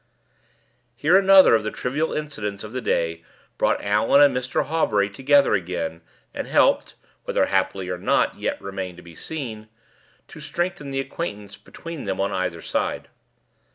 Here another of the trivial incidents of the day brought Allan and Mr. Hawbury together again, and helped whether happily or not, yet remained to be seen to strengthen the acquaintance between them on either side.